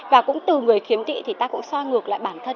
và cũng từ người khiếm thị thì ta cũng soi ngược lại bản thân